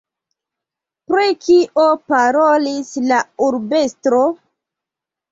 Pri kio parolis la urbestro?